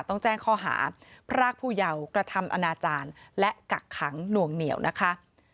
ต้องแจ้งข้อหาพรากผู้เยาว์กระทำอนาจารย์และกักขังหน่วงเหนียวนะคะ